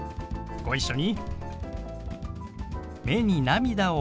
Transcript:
ご一緒に。